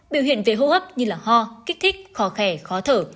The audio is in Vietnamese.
biểu hiện về hô hấp như ho kích thích khó khẻ khó thở